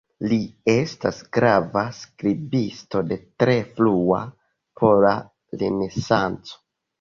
Li estas grava skribisto de tre frua pola renesanco.